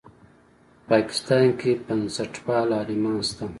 په پاکستان په بنسټپالو عالمانو کې شته.